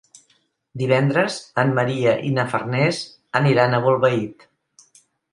Divendres en Maria i na Farners aniran a Bolbait.